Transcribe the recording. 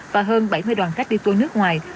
và hơn bảy mươi đoàn khách đi tour nước ngoài